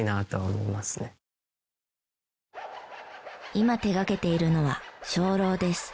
今手掛けているのは鐘楼です。